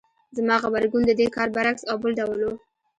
زما غبرګون د دې کار برعکس او بل ډول و.